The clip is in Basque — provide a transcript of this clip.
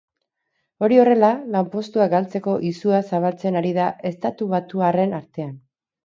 Hori horrela, lanpostua galtzeko izua zabaltzen ari da estatubatuarren artean.